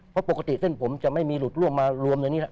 เพราะปกติเส้นผมจะไม่มีหลุดล่วงมารวมในนี้แล้ว